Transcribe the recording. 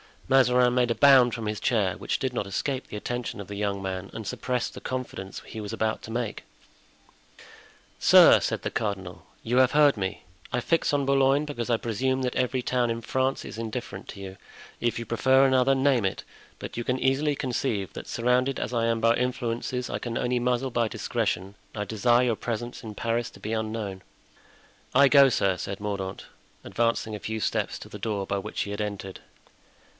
Mazarin made a bound from his chair, which did not escape the attention of the young man and suppressed the confidence he was about to make. "Sir," said the cardinal, "you have heard me? I fix on Boulogne because I presume that every town in France is indifferent to you; if you prefer another, name it; but you can easily conceive that, surrounded as I am by influences I can only muzzle by discretion, I desire your presence in Paris to be unknown." "I go, sir," said Mordaunt, advancing a few steps to the door by which he had entered.